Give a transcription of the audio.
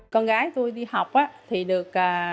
con gái tôi đi học á thì được